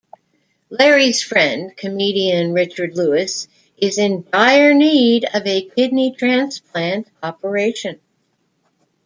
Larry's friend, comedian Richard Lewis, is in dire need of a kidney transplant operation.